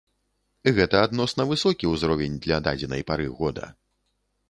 Гэта адносна высокі ўзровень для дадзенай пары года.